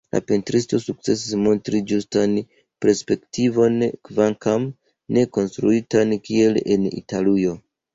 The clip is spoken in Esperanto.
La pentristoj sukcesis montri ĝustan perspektivon, kvankam ne konstruitan kiel en Italujo.